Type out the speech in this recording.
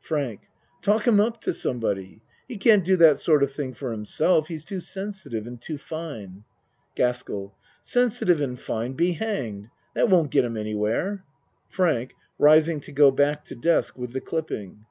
FRANK Talk him up to somebody. He can't do that sort of thing for himself. He's too sensi tive and too fine. GASKELL Sensitive and fine be hanged. That won't get him any where. FRANK (Rising to go back to desk with the clipping.)